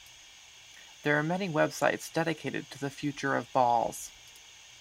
There are many websites dedicated to the future of balls.